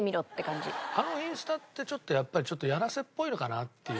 あのインスタってやっぱりやらせっぽいのかなっていう。